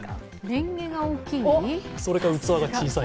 レンゲが大きい？